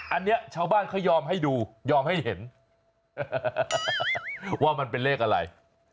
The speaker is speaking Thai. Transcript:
อันนี้ชาวบ้านเขายอมให้ดูยอมให้เห็นว่ามันเป็นเลขอะไร